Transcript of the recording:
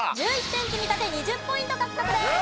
１１点積み立て２０ポイント獲得です。